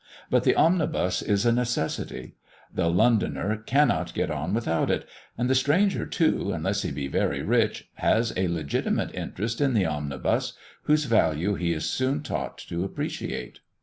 But the Omnibus is a necessity; the Londoner cannot get on without it; and the stranger, too, unless he be very rich, has a legitimate interest in the omnibus, whose value he is soon taught to appreciate.